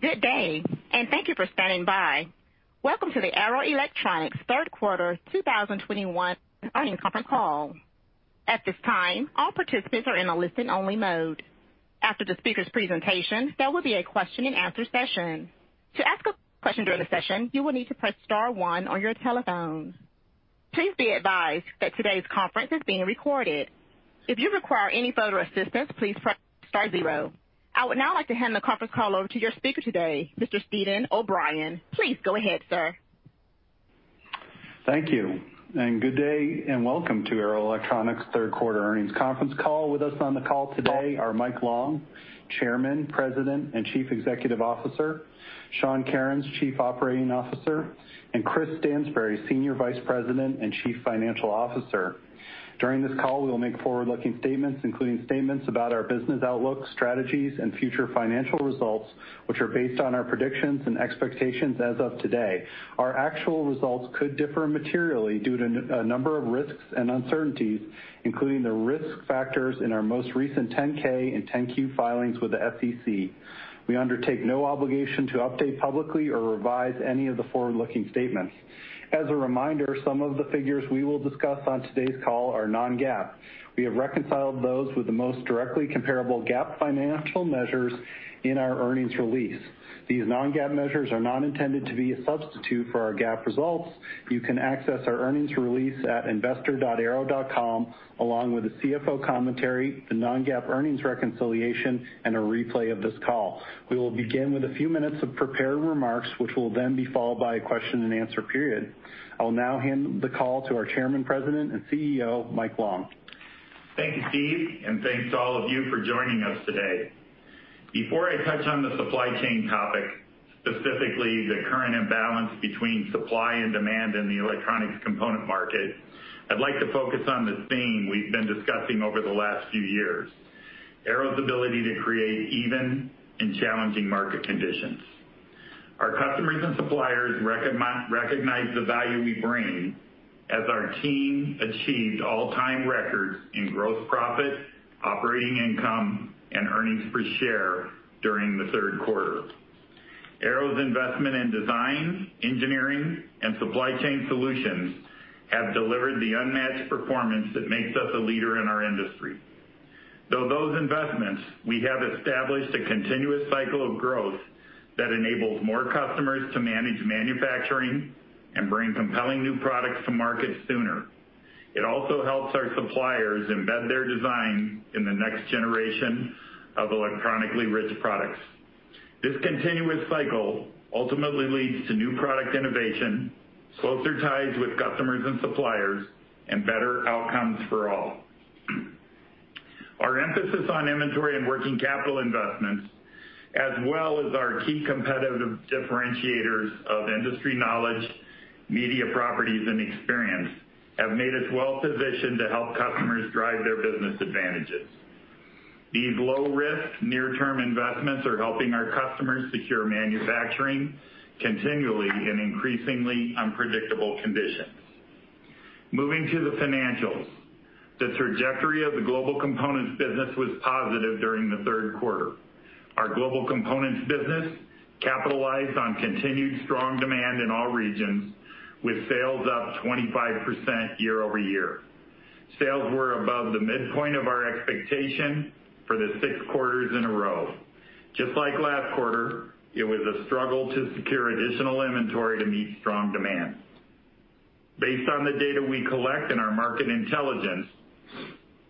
Good day, and thank you for standing by. Welcome to the Arrow Electronics third quarter 2021 earnings conference call. At this time, all participants are in a listen-only mode. After the speaker's presentation, there will be a question-and-answer session. To ask a question during the session, you will need to press star one on your telephone. Please be advised that today's conference is being recorded. If you require any further assistance, please press star zero. I would now like to hand the conference call over to your speaker today, Mr. Steven O'Brien. Please go ahead, sir. Thank you, and good day, and welcome to Arrow Electronics third quarter earnings conference call. With us on the call today are Mike Long, Chairman, President, and Chief Executive Officer, Sean Kerins, Chief Operating Officer, and Chris Stansbury, Senior Vice President and Chief Financial Officer. During this call, we will make forward-looking statements, including statements about our business outlook, strategies, and future financial results, which are based on our predictions and expectations as of today. Our actual results could differ materially due to a number of risks and uncertainties, including the risk factors in our most recent 10-K and 10-Q filings with the SEC. We undertake no obligation to update publicly or revise any of the forward-looking statements. As a reminder, some of the figures we will discuss on today's call are non-GAAP. We have reconciled those with the most directly comparable GAAP financial measures in our earnings release. These non-GAAP measures are not intended to be a substitute for our GAAP results. You can access our earnings release at investor.arrow.com, along with the CFO commentary, the non-GAAP earnings reconciliation, and a replay of this call. We will begin with a few minutes of prepared remarks, which will then be followed by a question-and-answer period. I will now hand the call to our Chairman, President, and CEO, Mike Long. Thank you, Steve, and thanks to all of you for joining us today. Before I touch on the supply chain topic, specifically the current imbalance between supply and demand in the electronics component market, I'd like to focus on the theme we've been discussing over the last few years, Arrow's ability to create even in challenging market conditions. Our customers and suppliers recognize the value we bring as our team achieved all-time records in gross profit, operating income, and earnings per share during the third quarter. Arrow's investment in design, engineering, and supply chain solutions have delivered the unmatched performance that makes us a leader in our industry. Through those investments, we have established a continuous cycle of growth that enables more customers to manage manufacturing and bring compelling new products to market sooner. It also helps our suppliers embed their design in the next generation of electronically rich products. This continuous cycle ultimately leads to new product innovation, closer ties with customers and suppliers, and better outcomes for all. Our emphasis on inventory and working capital investments, as well as our key competitive differentiators of industry knowledge, media properties, and experience, have made us well-positioned to help customers drive their business advantages. These low-risk, near-term investments are helping our customers secure manufacturing continually in increasingly unpredictable conditions. Moving to the financials. The trajectory of the Global Components business was positive during the third quarter. Our Global Components business capitalized on continued strong demand in all regions, with sales up 25% year-over-year. Sales were above the midpoint of our expectation for the sixth quarters in a row. Just like last quarter, it was a struggle to secure additional inventory to meet strong demand. Based on the data we collect and our market intelligence,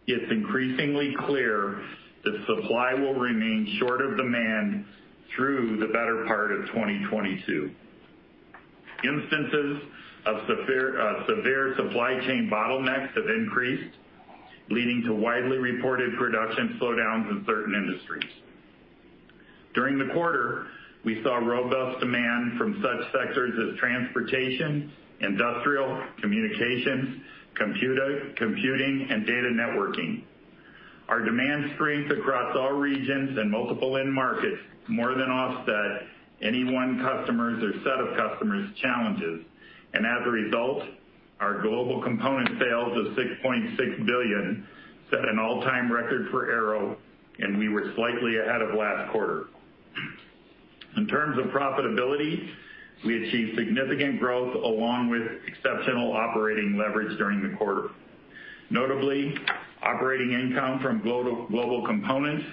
it's increasingly clear that supply will remain short of demand through the better part of 2022. Instances of severe supply chain bottlenecks have increased, leading to widely reported production slowdowns in certain industries. During the quarter, we saw robust demand from such sectors as Transportation, Industrial, Communications, Computers, Computing, and Data Networking. Our demand strength across all regions and multiple end markets more than offset any one customer's or set of customers' challenges. As a result, our Global Components sales of $6.6 billion set an all-time record for Arrow, and we were slightly ahead of last quarter. In terms of profitability, we achieved significant growth along with exceptional operating leverage during the quarter. Notably, operating income from Global Components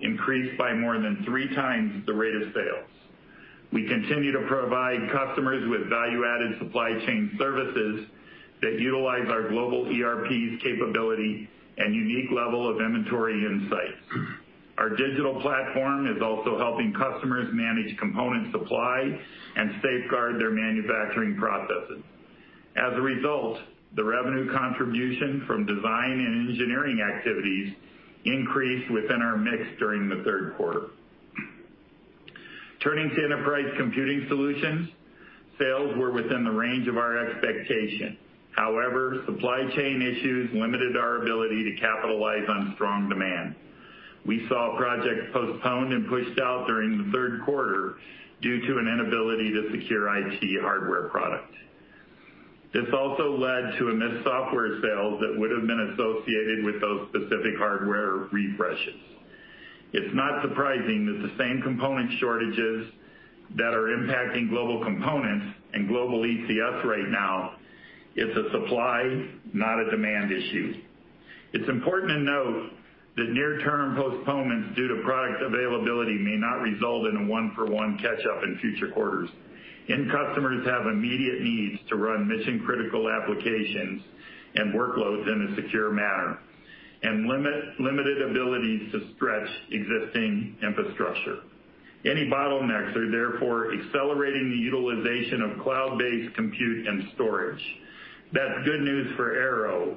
increased by more than three times the rate of sales. We continue to provide customers with value-added supply chain services that utilize our global ERP's capability and unique level of inventory insights. Our digital platform is also helping customers manage component supply and safeguard their manufacturing processes. As a result, the revenue contribution from design and engineering activities increased within our mix during the third quarter. Turning to Enterprise Computing Solutions, sales were within the range of our expectation. However, supply chain issues limited our ability to capitalize on strong demand. We saw projects postponed and pushed out during the third quarter due to an inability to secure IT hardware products. This also led to a missed software sales that would have been associated with those specific hardware refreshes. It's not surprising that the same component shortages that are impacting Global Components and Global ECS right now, it's a supply, not a demand issue. It's important to note that near-term postponements due to product availability may not result in a one-for-one catch-up in future quarters. End customers have immediate needs to run mission-critical applications and workloads in a secure manner and limited abilities to stretch existing infrastructure. Any bottlenecks are therefore accelerating the utilization of cloud-based compute and storage. That's good news for Arrow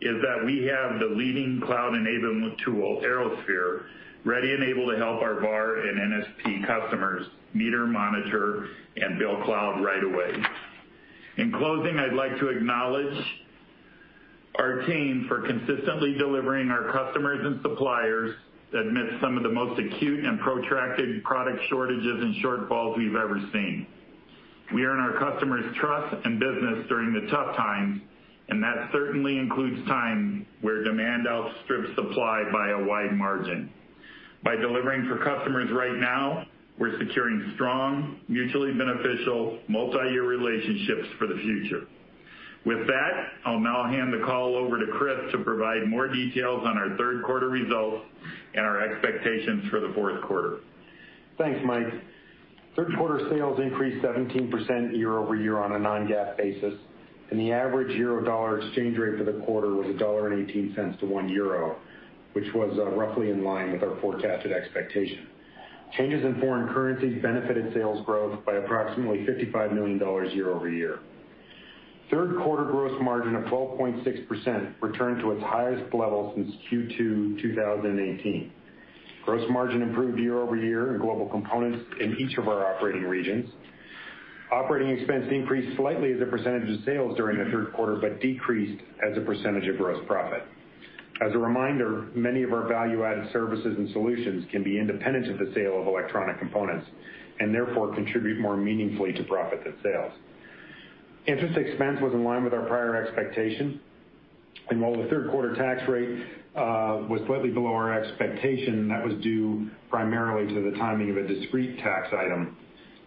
in that we have the leading cloud enablement tool, ArrowSphere, ready and able to help our VAR and NSP customers meter, monitor, and build cloud right away. In closing, I'd like to acknowledge our team for consistently delivering to our customers and suppliers amidst some of the most acute and protracted product shortages and shortfalls we've ever seen. We earn our customers' trust and business during the tough times, and that certainly includes time where demand outstrips supply by a wide margin. By delivering for customers right now, we're securing strong, mutually beneficial multi-year relationships for the future. With that, I'll now hand the call over to Chris to provide more details on our third quarter results and our expectations for the fourth quarter. Thanks, Mike. Third quarter sales increased 17% year-over-year on a non-GAAP basis, and the average euro/dollar exchange rate for the quarter was $1.18 to 1 euro, which was roughly in line with our forecasted expectation. Changes in foreign currencies benefited sales growth by approximately $55 million year-over-year. Third quarter gross margin of 12.6% returned to its highest level since Q2 2018. Gross margin improved year-over-year in Global Components in each of our operating regions. Operating expense increased slightly as a percentage of sales during the third quarter, but decreased as a percentage of gross profit. As a reminder, many of our value-added services and solutions can be independent of the sale of Electronic Components, and therefore contribute more meaningfully to profit than sales. Interest expense was in line with our prior expectation. While the third quarter tax rate was slightly below our expectation, that was due primarily to the timing of a discrete tax item,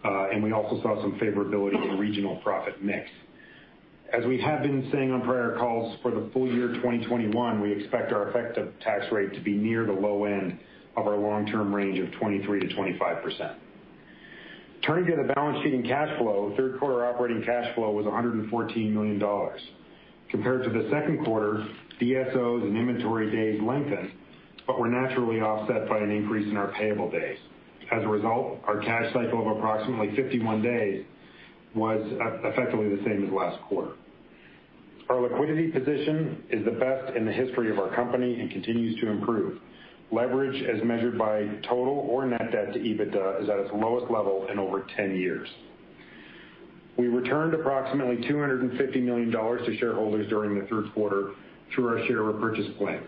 and we also saw some favorability in regional profit mix. As we have been saying on prior calls, for the full year 2021, we expect our effective tax rate to be near the low end of our long-term range of 23-25%. Turning to the balance sheet and cash flow, third quarter operating cash flow was $114 million. Compared to the second quarter, DSOs and inventory days lengthened, but were naturally offset by an increase in our payable days. As a result, our cash cycle of approximately 51 days was effectively the same as last quarter. Our liquidity position is the best in the history of our company and continues to improve. Leverage, as measured by total or net debt to EBITDA, is at its lowest level in over 10 years. We returned approximately $250 million to shareholders during the third quarter through our share repurchase plan.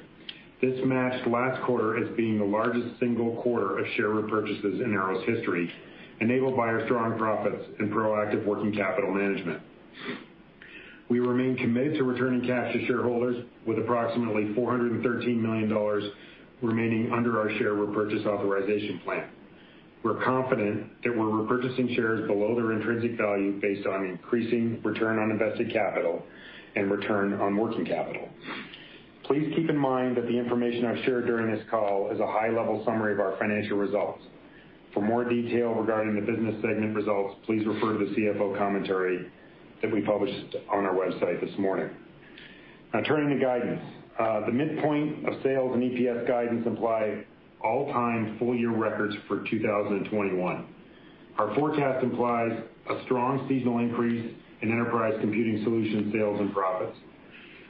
This matched last quarter as being the largest single quarter of share repurchases in Arrow's history, enabled by our strong profits and proactive working capital management. We remain committed to returning cash to shareholders with approximately $413 million remaining under our share repurchase authorization plan. We're confident that we're repurchasing shares below their intrinsic value based on increasing return on invested capital and return on working capital. Please keep in mind that the information I've shared during this call is a high-level summary of our financial results. For more detail regarding the business segment results, please refer to the CFO Commentary that we published on our website this morning. Now turning to guidance. The midpoint of sales and EPS guidance imply all-time full-year records for 2021. Our forecast implies a strong seasonal increase in Enterprise Computing Solutions sales and profits.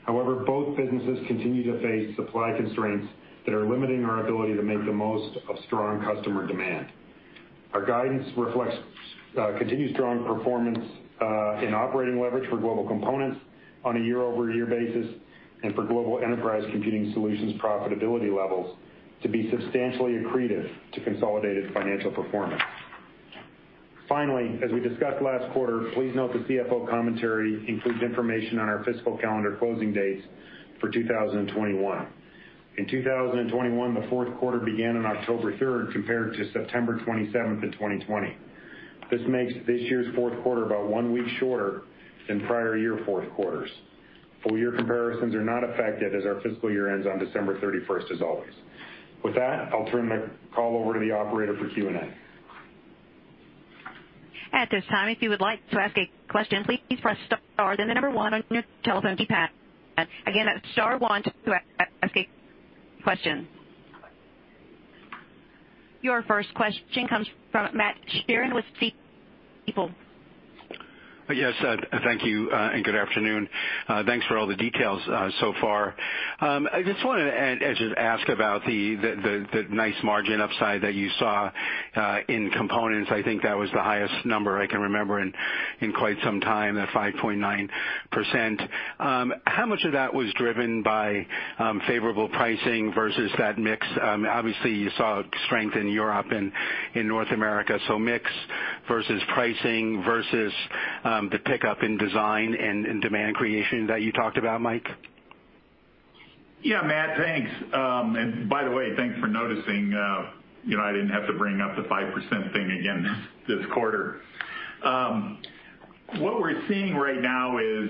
However, both businesses continue to face supply constraints that are limiting our ability to make the most of strong customer demand. Our guidance reflects continued strong performance in operating leverage for Global Components on a year-over-year basis and for Global Enterprise Computing Solutions profitability levels to be substantially accretive to consolidated financial performance. Finally, as we discussed last quarter, please note the CFO Commentary includes information on our fiscal calendar closing dates for 2021. In 2021, the fourth quarter began on October 3rd, compared to September 27th in 2020. This makes this year's fourth quarter about one week shorter than prior year fourth quarters. Full year comparisons are not affected as our fiscal year ends on December 31st as always. With that, I'll turn the call over to the operator for Q&A. At this time, if you would like to ask a question, please press star, then the number one on your telephone keypad. Again, star one to ask a question. Your first question comes from Matt Sheerin with Stifel. Yes, thank you, and good afternoon. Thanks for all the details so far. I just wanted to ask about the nice margin upside that you saw in components. I think that was the highest number I can remember in quite some time, the 5.9%. How much of that was driven by favorable pricing versus that mix? Obviously you saw strength in Europe and in North America, so mix versus pricing versus the pickup in design and demand creation that you talked about, Mike? Yeah, Matt, thanks. By the way, thanks for noticing, you know, I didn't have to bring up the 5% thing again this quarter. What we're seeing right now is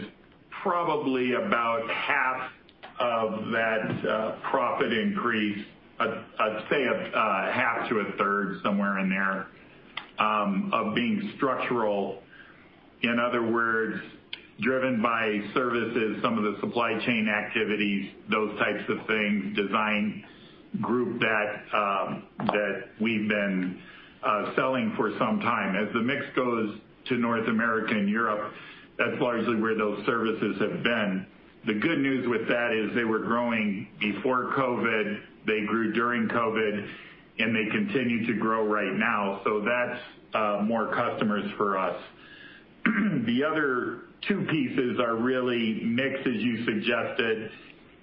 probably about half of that profit increase, I'd say, 50% to 33%, somewhere in there, of being structural. In other words, driven by services, some of the supply chain activities, those types of things, design group that we've been selling for some time. As the mix goes to North America and Europe, that's largely where those services have been. The good news with that is they were growing before COVID, they grew during COVID, and they continue to grow right now. That's more customers for us. The other two pieces are really mixed, as you suggested,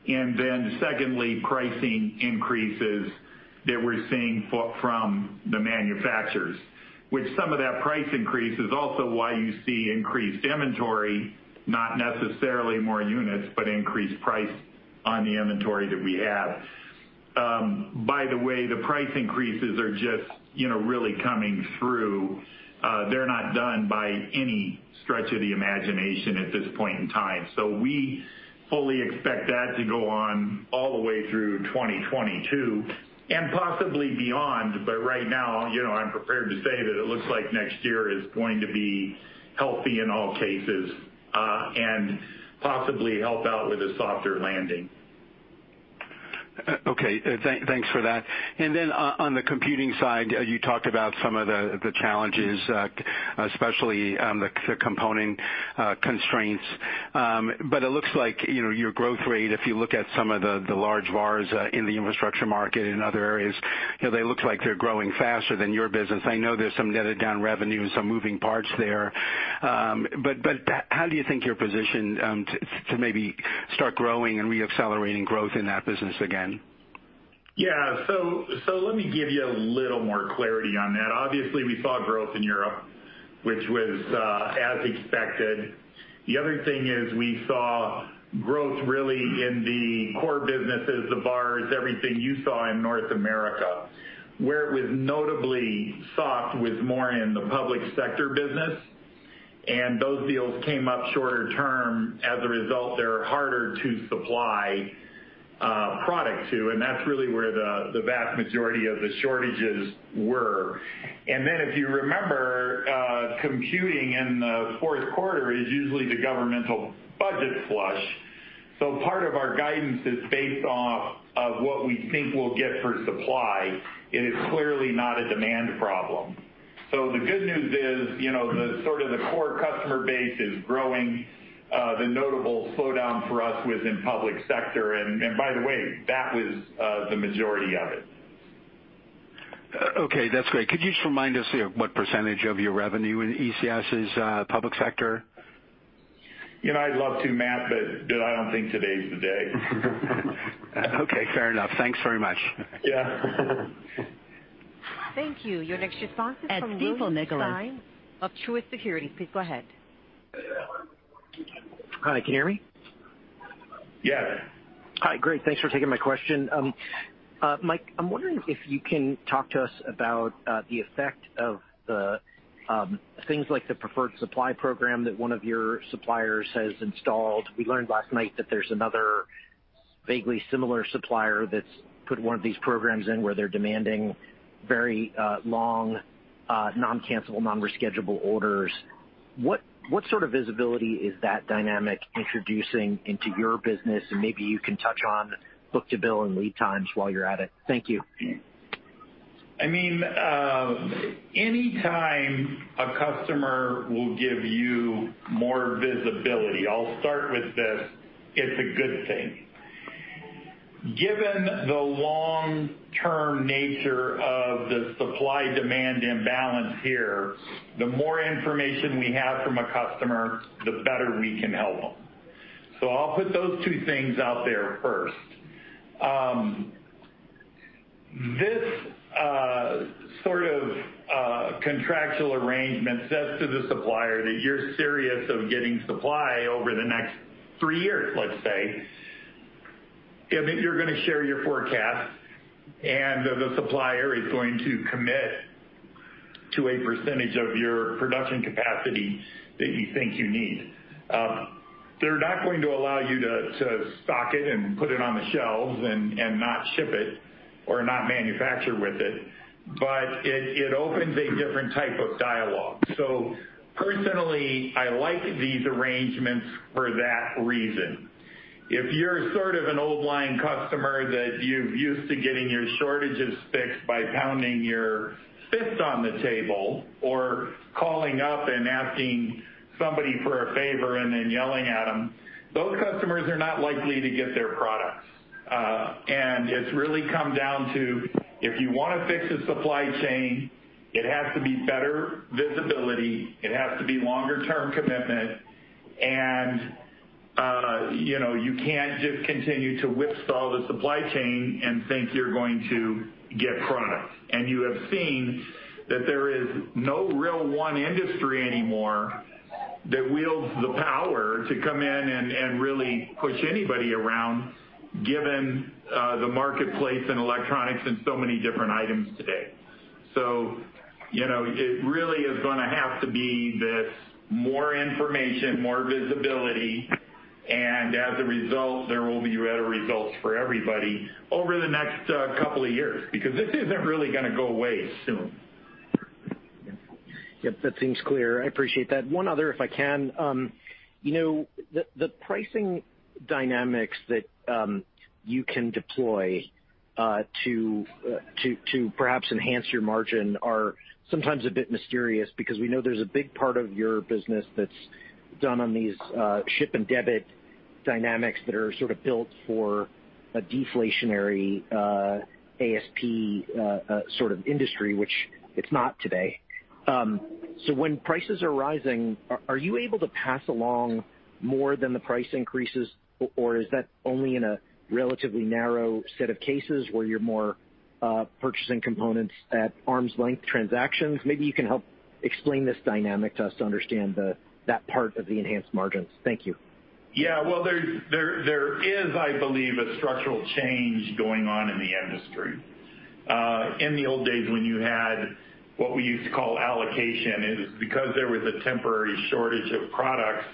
and then secondly, pricing increases that we're seeing from the manufacturers, which some of that price increase is also why you see increased inventory, not necessarily more units, but increased price on the inventory that we have. By the way, the price increases are just, you know, really coming through. They're not done by any stretch of the imagination at this point in time. We fully expect that to go on all the way through 2022 and possibly beyond. Right now, you know, I'm prepared to say that it looks like next year is going to be healthy in all cases, and possibly help out with a softer landing. Thanks for that. On the Computing side, you talked about some of the challenges, especially the component constraints. It looks like, you know, your growth rate, if you look at some of the large VARs in the infrastructure market in other areas, you know, they look like they're growing faster than your business. I know there's some netted down revenue, some moving parts there, but how do you think you're positioned to maybe start growing and reaccelerating growth in that business again? Let me give you a little more clarity on that. Obviously, we saw growth in Europe, which was as expected. The other thing is we saw growth really in the core businesses, the VARs, everything you saw in North America. Where it was notably soft was more in the public sector business, and those deals came up shorter term. As a result, they're harder to supply product to, and that's really where the vast majority of the shortages were. Then if you remember, Computing in the fourth quarter is usually the governmental budget flush. Part of our guidance is based off of what we think we'll get for supply. It is clearly not a demand problem. The good news is, you know, the sort of the core customer base is growing. The notable slowdown for us was in public sector. By the way, that was the majority of it. Okay, that's great. Could you just remind us here what percentage of your revenue in ECS is public sector? You know, I'd love to, Matt, but I don't think today's the day. Okay, fair enough. Thanks very much. Yeah. Thank you. Your next question is from William Stein of Truist Securities. Please go ahead. Hi, can you hear me? Yeah. Hi. Great. Thanks for taking my question. Mike, I'm wondering if you can talk to us about the effect of the things like the preferred supply program that one of your suppliers has installed. We learned last night that there's another vaguely similar supplier that's put one of these programs in where they're demanding very long non-cancellable, non-reschedule orders. What sort of visibility is that dynamic introducing into your business? Maybe you can touch on book-to-bill and lead times while you're at it. Thank you. I mean, any time a customer will give you more visibility, I'll start with this, it's a good thing. Given the long-term nature of the supply-demand imbalance here, the more information we have from a customer, the better we can help them. I'll put those two things out there first. This sort of contractual arrangement says to the supplier that you're serious about getting supply over the next three years, let's say. If you're gonna share your forecast and the supplier is going to commit to a percentage of your production capacity that you think you need, they're not going to allow you to stock it and put it on the shelves and not ship it or not manufacture with it, but it opens a different type of dialogue. Personally, I like these arrangements for that reason. If you're sort of an old line customer that you're used to getting your shortages fixed by pounding your fist on the table or calling up and asking somebody for a favor and then yelling at them, those customers are not likely to get their products. It's really come down to, if you wanna fix a supply chain, it has to be better visibility, it has to be longer term commitment, and, you know, you can't just continue to whip saw the supply chain and think you're going to get product. You have seen that there is no real one industry anymore. That wields the power to come in and really push anybody around given the marketplace and electronics and so many different items today. You know, it really is gonna have to be this more information, more visibility, and as a result, there will be better results for everybody over the next couple of years, because this isn't really gonna go away soon. Yep, that seems clear. I appreciate that. One other, if I can. You know, the pricing dynamics that you can deploy to perhaps enhance your margin are sometimes a bit mysterious because we know there's a big part of your business that's done on these ship and debit dynamics that are sort of built for a deflationary ASP sort of industry, which it's not today. So when prices are rising, are you able to pass along more than the price increases or is that only in a relatively narrow set of cases where you're more purchasing components at arm's length transactions? Maybe you can help explain this dynamic to us to understand that part of the enhanced margins. Thank you. Yeah. Well, there is, I believe, a structural change going on in the industry. In the old days when you had what we used to call allocation because there was a temporary shortage of products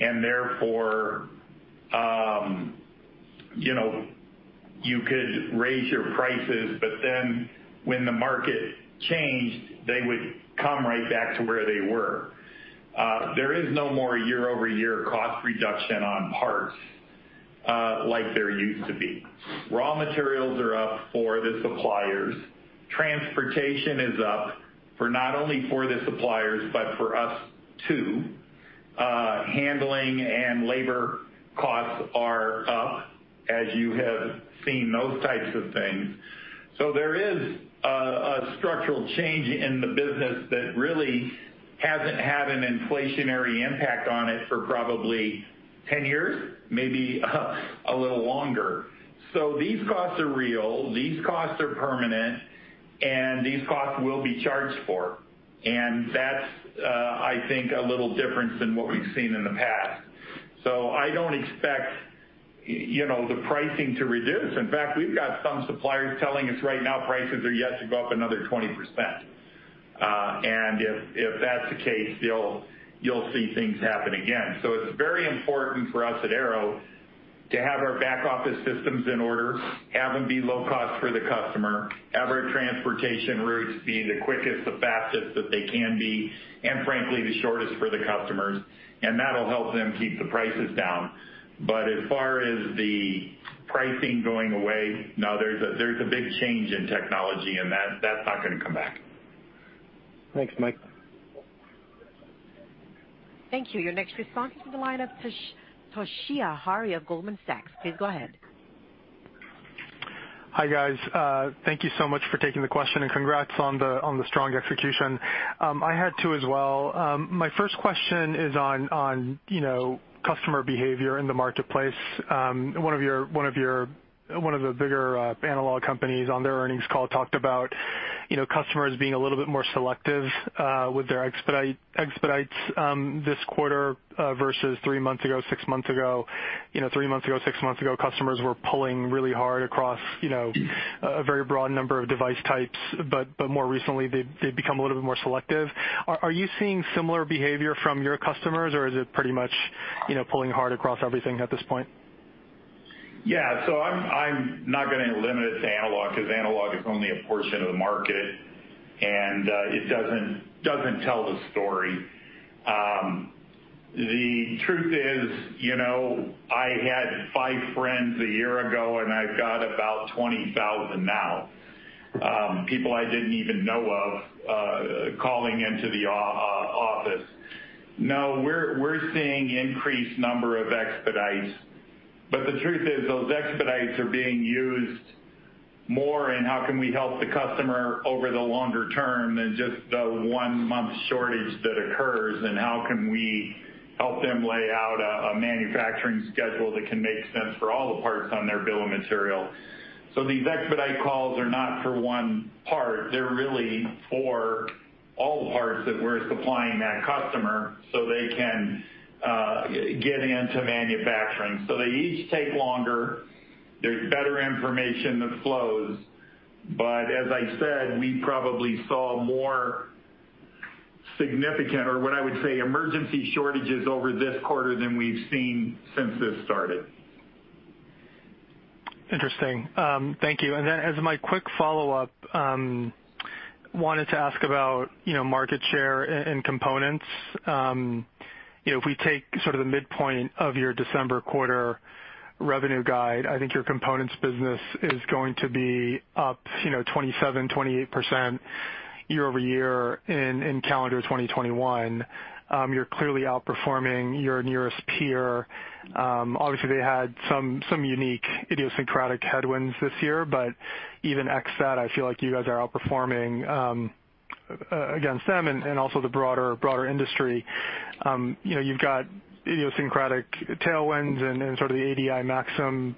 and therefore, you know, you could raise your prices, but then when the market changed, they would come right back to where they were. There is no more year-over-year cost reduction on parts, like there used to be. Raw materials are up for the suppliers. Transportation is up for not only for the suppliers, but for us too. Handling and labor costs are up, as you have seen those types of things. There is a structural change in the business that really hasn't had an inflationary impact on it for probably 10 years, maybe a little longer. These costs are real, these costs are permanent, and these costs will be charged for. That's, I think, a little different than what we've seen in the past. I don't expect, you know, the pricing to reduce. In fact, we've got some suppliers telling us right now prices are yet to go up another 20%. If that's the case, you'll see things happen again. It's very important for us at Arrow to have our back office systems in order, have them be low cost for the customer, have our Transportation routes be the quickest, the fastest that they can be, and frankly, the shortest for the customers, and that'll help them keep the prices down. As far as the pricing going away, no. There's a big change in technology, and that's not gonna come back. Thanks, Mike. Thank you. Your next respondent in the lineup, Toshiya Hari of Goldman Sachs, please go ahead. Hi, guys. Thank you so much for taking the question, and congrats on the strong execution. I had two as well. My first question is on customer behavior in the marketplace. One of the bigger analog companies on their earnings call talked about customers being a little bit more selective with their expedites this quarter versus three months ago, six months ago. You know, three months ago, six months ago, customers were pulling really hard across you know a very broad number of device types, but more recently, they've become a little bit more selective. Are you seeing similar behavior from your customers, or is it pretty much you know pulling hard across everything at this point? Yeah, so I'm not gonna limit it to analog 'cause analog is only a portion of the market, and it doesn't tell the story. The truth is, you know, I had five friends a year ago, and I've got about 20,000 now, people I didn't even know of, calling into the office. No, we're seeing increased number of expedites. The truth is those expedites are being used more in how can we help the customer over the longer term than just the one-month shortage that occurs, and how can we help them lay out a manufacturing schedule that can make sense for all the parts on their bill of material. These expedite calls are not for one part. They're really for all the parts that we're supplying that customer so they can get into manufacturing. They each take longer. There's better information that flows. As I said, we probably saw more significant or what I would say emergency shortages over this quarter than we've seen since this started. Interesting, thank you. As my quick follow-up, wanted to ask about, you know, market share and components. You know, if we take sort of the midpoint of your December quarter revenue guide, I think your components business is going to be up, you know, 27%-28% year-over-year in calendar 2021. You're clearly outperforming your nearest peer. Obviously, they had some unique idiosyncratic headwinds this year, but even X that, I feel like you guys are outperforming. Against them and also the broader industry. You know, you've got idiosyncratic tailwinds and then sort of the ADI Maxim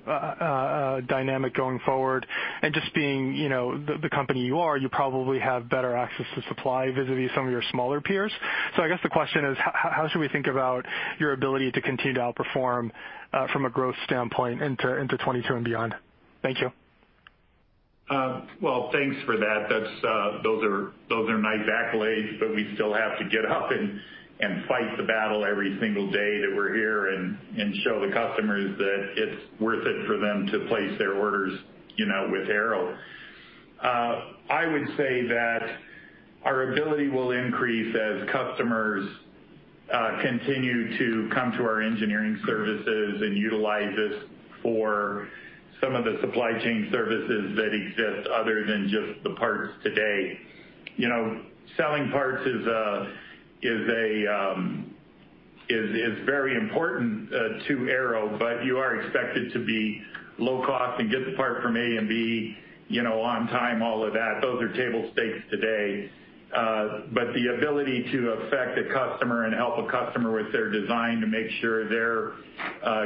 dynamic going forward. Just being, you know, the company you are, you probably have better access to supply vis-a-vis some of your smaller peers. I guess the question is how should we think about your ability to continue to outperform from a growth standpoint into 2022 and beyond? Thank you. Well, thanks for that. That's those are nice accolades, but we still have to get up and fight the battle every single day that we're here and show the customers that it's worth it for them to place their orders, you know, with Arrow. I would say that our ability will increase as customers continue to come to our engineering services and utilize us for some of the supply chain services that exist other than just the parts today. You know, selling parts is very important to Arrow, but you are expected to be low cost and get the part from A and B, you know, on time, all of that. Those are table stakes today. The ability to affect a customer and help a customer with their design to make sure they're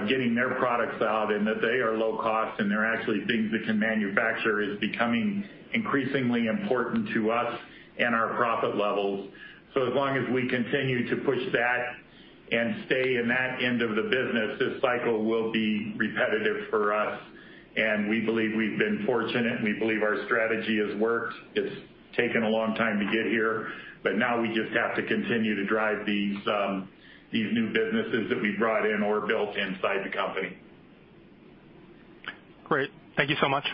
getting their products out and that they are low cost and they're actually things that can manufacture is becoming increasingly important to us and our profit levels. As long as we continue to push that and stay in that end of the business, this cycle will be repetitive for us. We believe we've been fortunate, and we believe our strategy has worked. It's taken a long time to get here, but now we just have to continue to drive these new businesses that we've brought in or built inside the company. Great thank you so much.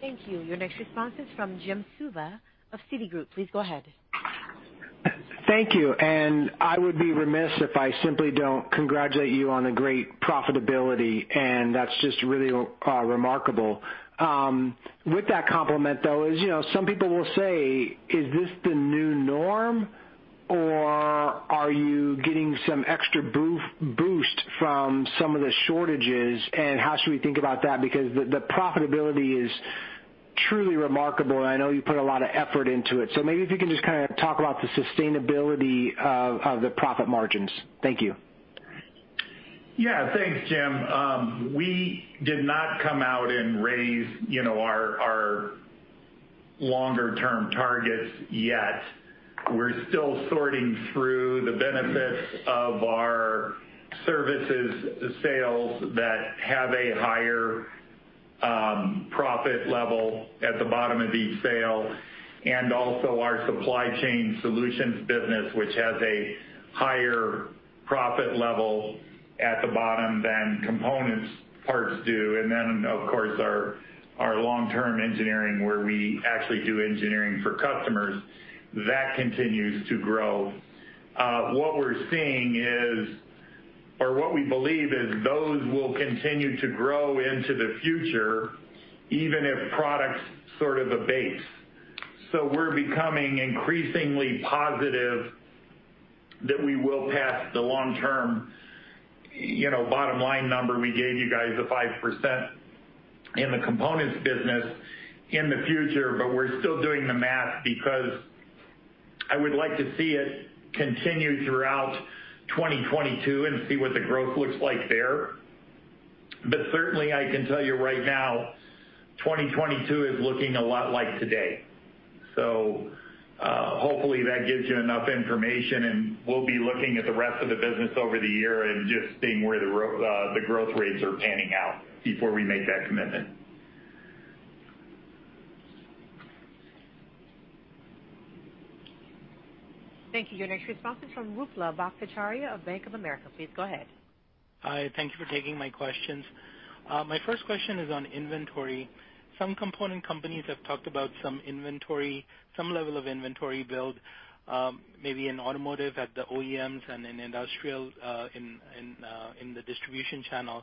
Thank you. Your next response is from Jim Suva of Citigroup. Please go ahead. Thank you, and I would be remiss if I simply don't congratulate you on the great profitability, and that's just really remarkable. With that compliment, though, is, you know, some people will say, "Is this the new norm, or are you getting some extra boost from some of the shortages, and how should we think about that?" Because the profitability is truly remarkable. I know you put a lot of effort into it. Maybe if you can just kinda talk about the sustainability of the profit margins, thank you. Yeah thanks, Jim. We did not come out and raise, you know, our longer-term targets yet. We're still sorting through the benefits of our services sales that have a higher profit level at the bottom of each sale, and also our supply chain solutions business, which has a higher profit level at the bottom than components parts do. Then, of course, our long-term engineering, where we actually do engineering for customers. That continues to grow. What we believe is those will continue to grow into the future, even if products sort of abate. We're becoming increasingly positive that we will pass the long-term, you know, bottom line number we gave you guys, the 5% in the components business in the future. We're still doing the math because I would like to see it continue throughout 2022 and see what the growth looks like there. Certainly I can tell you right now, 2022 is looking a lot like today. Hopefully that gives you enough information, and we'll be looking at the rest of the business over the year and just seeing where the growth rates are panning out before we make that commitment. Thank you. Your next response is from Ruplu Bhattacharya of Bank of America. Please go ahead. Hi, thank you for taking my questions. My first question is on inventory. Some component companies have talked about some inventory, some level of inventory build, maybe in Automotive at the OEMs and in Industrial in the distribution channel.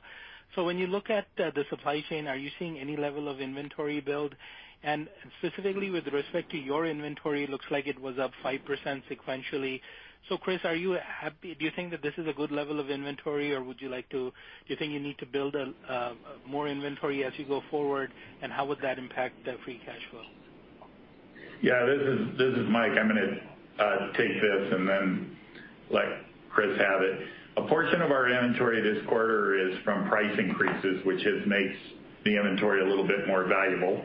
When you look at the supply chain, are you seeing any level of inventory build? And specifically with respect to your inventory, looks like it was up 5% sequentially. Chris, are you happy, do you think that this is a good level of inventory, or do you think you need to build more inventory as you go forward, and how would that impact the free cash flow? Yeah, this is Mike. I'm gonna take this and then let Chris have it. A portion of our inventory this quarter is from price increases, which just makes the inventory a little bit more valuable.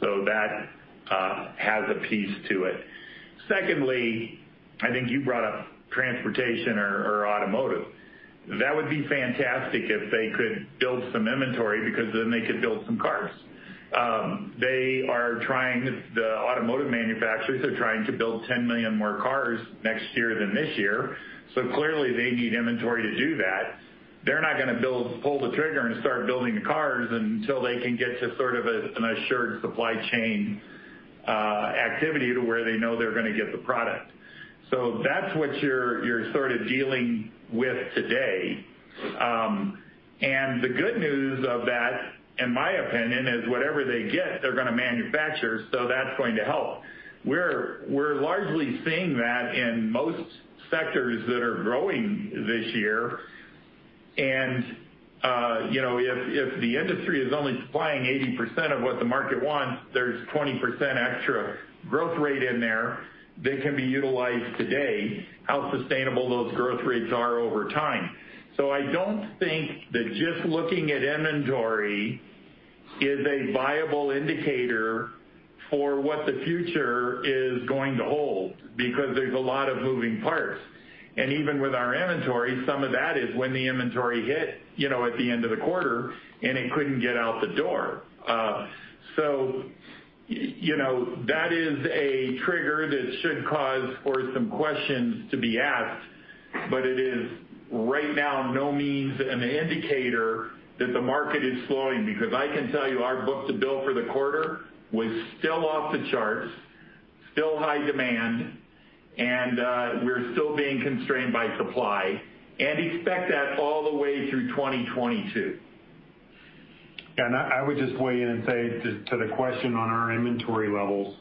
That has a piece to it. Secondly, I think you brought up Transportation or Automotive. That would be fantastic if they could build some inventory because then they could build some cars. The automotive manufacturers are trying to build 10 million more cars next year than this year. Clearly they need inventory to do that. They're not gonna pull the trigger and start building the cars until they can get to an assured supply chain activity to where they know they're gonna get the product. That's what you're sort of dealing with today. The good news of that, in my opinion, is whatever they get, they're gonna manufacture, so that's going to help. We're largely seeing that in most sectors that are growing this year. You know, if the industry is only supplying 80% of what the market wants, there's 20% extra growth rate in there that can be utilized today. How sustainable those growth rates are over time. I don't think that just looking at inventory is a viable indicator for what the future is going to hold, because there's a lot of moving parts. Even with our inventory, some of that is when the inventory hit, you know, at the end of the quarter, and it couldn't get out the door. You know, that is a trigger that should cause for some questions to be asked, but it is by no means an indicator that the market is slowing. I can tell you our book-to-bill for the quarter was still off the charts, still high demand, and we're still being constrained by supply, and expect that all the way through 2022. I would just weigh in and say to the question on our inventory levels.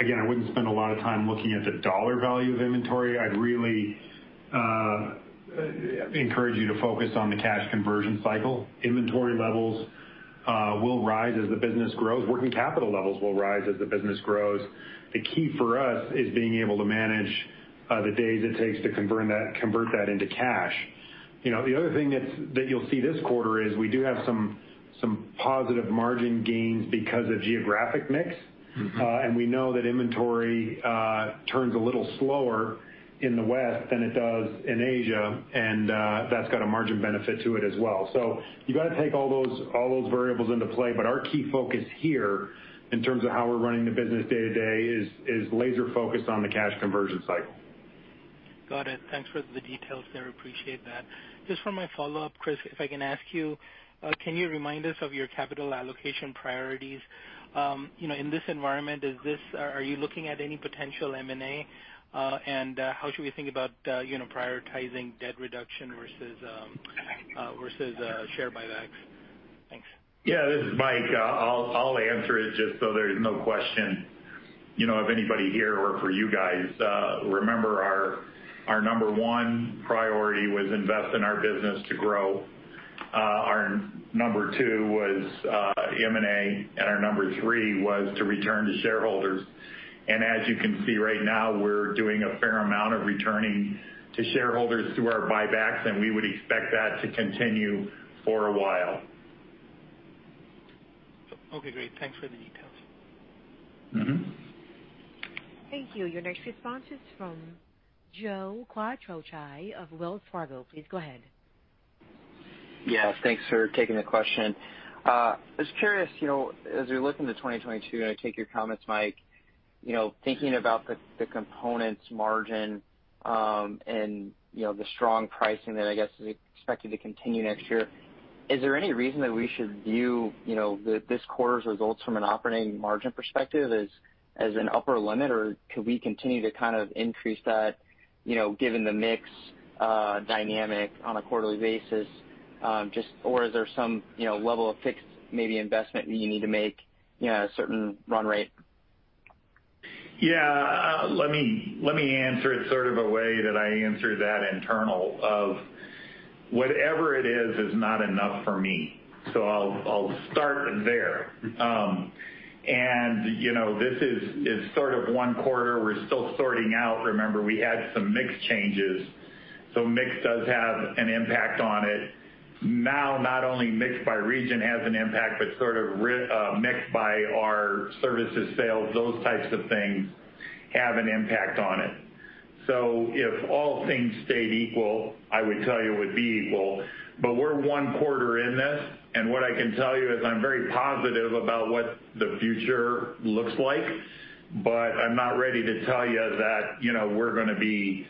Again, I wouldn't spend a lot of time looking at the dollar value of inventory. I'd really encourage you to focus on the cash conversion cycle. Inventory levels will rise as the business grows. Working capital levels will rise as the business grows. The key for us is being able to manage the days it takes to convert that into cash. You know, the other thing that you'll see this quarter is we do have some positive margin gains because of geographic mix. Mm-hmm. We know that inventory turns a little slower in the West than it does in Asia, and that's got a margin benefit to it as well. You got to take all those variables into play. Our key focus here in terms of how we're running the business day to day is laser focused on the cash conversion cycle. Got it, thanks for the details there. Appreciate that. Just for my follow-up, Chris, if I can ask you, can you remind us of your capital allocation priorities? You know, in this environment, are you looking at any potential M&A? How should we think about, you know, prioritizing debt reduction versus share buybacks? Thanks. Yeah, this is Mike. I'll answer it just so there's no question, you know, of anybody here or for you guys. Remember our number one priority was invest in our business to grow. Our number two was M&A, and our number three was to return to shareholders. As you can see right now, we're doing a fair amount of returning to shareholders through our buybacks, and we would expect that to continue for a while. Okay, great thanks for the details. Mm-hmm. Thank you. Your next response is from Joe Quatrochi of Wells Fargo. Please go ahead. Yeah, thanks for taking the question. I was curious, you know, as we look into 2022, and I take your comments, Mike, you know, thinking about the components margin, and, you know, the strong pricing that I guess is expected to continue next year, is there any reason that we should view, you know, this quarter's results from an operating margin perspective as an upper limit, or could we continue to kind of increase that, you know, given the mix dynamic on a quarterly basis, just or is there some, you know, level of fixed maybe investment you need to make, you know, a certain run rate? Yeah. Let me answer it sort of a way that I answer that internal of whatever it is is not enough for me. I'll start there, you know, this is sort of one quarter we're still sorting out. Remember, we had some mix changes, so mix does have an impact on it. Now, not only mix by region has an impact, but sort of mix by our services sales, those types of things have an impact on it. If all things stayed equal, I would tell you it would be equal. But we're one quarter in this, and what I can tell you is I'm very positive about what the future looks like, but I'm not ready to tell you that, you know, we're gonna be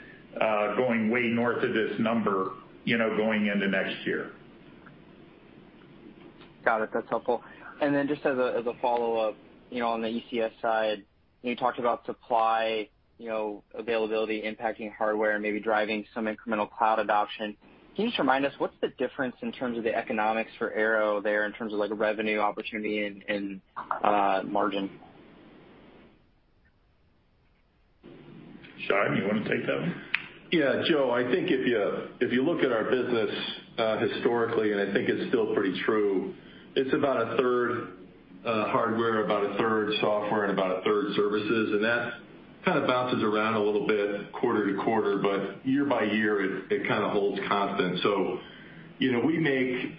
going way north of this number, you know, going into next year. Got it, that's helpful. Just as a follow-up, you know, on the ECS side, you talked about supply, you know, availability impacting hardware and maybe driving some incremental cloud adoption. Can you just remind us what's the difference in terms of the economics for Arrow there in terms of like revenue opportunity and margin? Sean, you wanna take that one? Yeah Joe, I think if you look at our business historically, and I think it's still pretty true, it's about a third hardware, about 1/3 software, and about 1/3 services. That kind of bounces around a little bit quarter-to-quarter, but year by year it kind of holds constant. You know, we make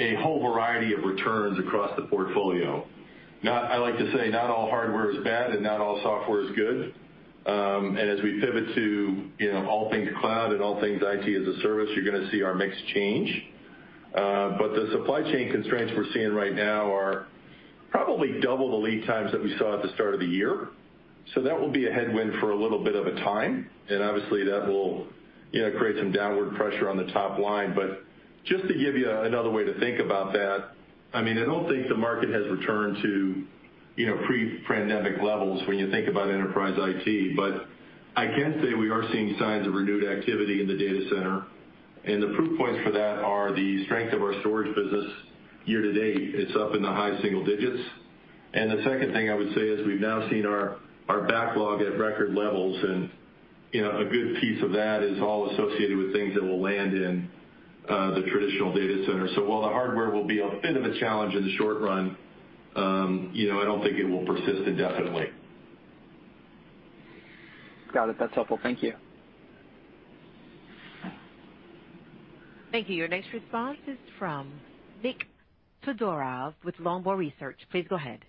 a whole variety of returns across the portfolio. I like to say not all hardware is bad and not all software is good. As we pivot to, you know, all things cloud and all things IT as a service, you're gonna see our mix change. The supply chain constraints we're seeing right now are probably double the lead times that we saw at the start of the year. That will be a headwind for a little bit of a time, and obviously that will, you know, create some downward pressure on the top line. Just to give you another way to think about that, I mean, I don't think the market has returned to, you know, pre-pandemic levels when you think about enterprise IT. I can say we are seeing signs of renewed activity in the data center, and the proof points for that are the strength of our storage business year to date. It's up in the high single digits. The second thing I would say is we've now seen our backlog at record levels. You know, a good piece of that is all associated with things that will land in the traditional data center. While the hardware will be a bit of a challenge in the short run, you know, I don't think it will persist indefinitely. Got it that's helpful, thank you. Thank you. Your next response is from Nik Todorov with Longbow Research. Please go ahead.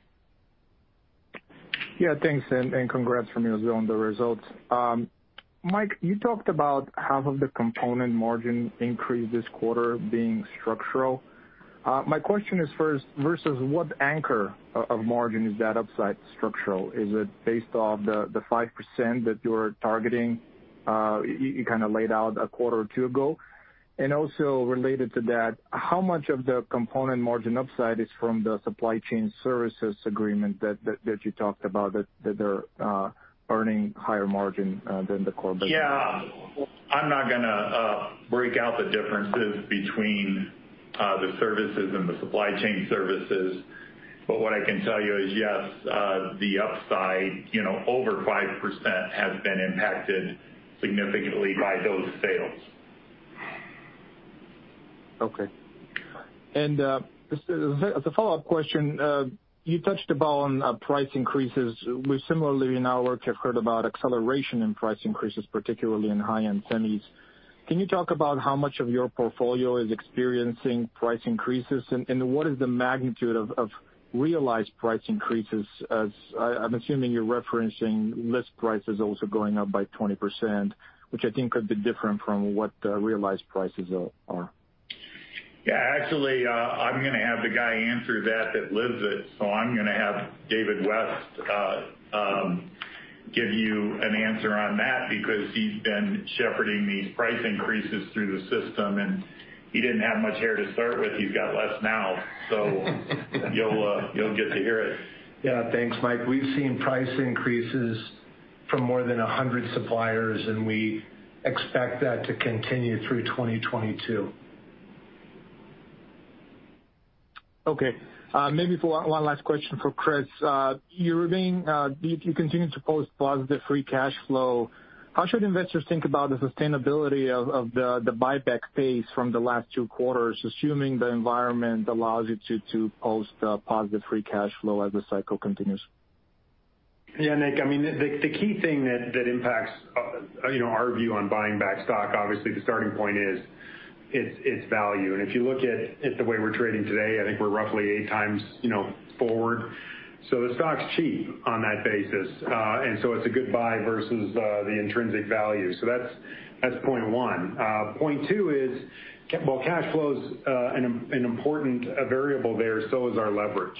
Yeah, thanks, and congrats from me as well on the results. Mike, you talked about half of the component margin increase this quarter being structural. My question is first versus what anchor of margin is that upside structural? Is it based off the five percent that you were targeting, you kinda laid out a quarter or two ago? Also related to that, how much of the component margin upside is from the supply chain services agreement that you talked about that they're earning higher margin than the core business? Yeah, I'm not gonna break out the differences between the services and the supply chain services. What I can tell you is, yes, the upside, you know, over 5% has been impacted significantly by those sales. Okay, and just as a follow-up question, you touched on price increases. We similarly in our work have heard about acceleration in price increases, particularly in high-end semis. Can you talk about how much of your portfolio is experiencing price increases? What is the magnitude of realized price increases as I'm assuming you're referencing list prices also going up by 20%, which I think could be different from what the realized prices are. Actually, I'm gonna have the guy that lives it answer that. I'm gonna have David West give you an answer on that because he's been shepherding these price increases through the system, and he didn't have much hair to start with. He's got less now. You'll get to hear it. Yeah. Thanks, Mike. We've seen price increases from more than 100 suppliers, and we expect that to continue through 2022. Okay, maybe for one last question for Chris. You continue to post positive free cash flow. How should investors think about the sustainability of the buyback pace from the last two quarters, assuming the environment allows you to post positive free cash flow as the cycle continues? Yeah. Nik, I mean, the key thing that impacts, you know, our view on buying back stock, obviously the starting point is it's value. If you look at the way we're trading today, I think we're roughly eight times, you know, forward. The stock's cheap on that basis. It's a good buy versus the intrinsic value. That's point one. Point two is, well, cash flow's an important variable there, so is our leverage.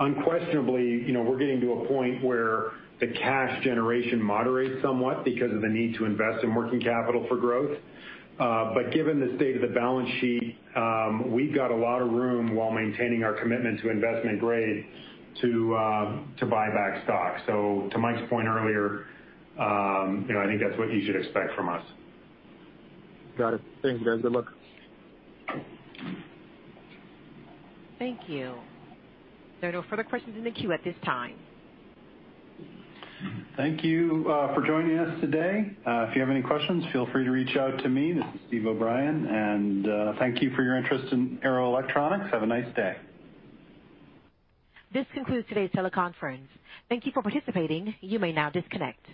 Unquestionably, you know, we're getting to a point where the cash generation moderates somewhat because of the need to invest in working capital for growth. But given the state of the balance sheet, we've got a lot of room while maintaining our commitment to investment grade to buy back stock. To Mike's point earlier, you know, I think that's what you should expect from us. Got it. Thanks, guys good luck. Thank you. There are no further questions in the queue at this time. Thank you for joining us today. If you have any questions, feel free to reach out to me. This is Steve O'Brien, and thank you for your interest in Arrow Electronics. Have a nice day. This concludes today's teleconference. Thank you for participating. You may now disconnect.